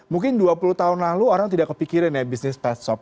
mungkin dua puluh tahun lalu orang tidak kepikiran ya bisnis pet shop